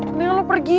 neng jangan pergi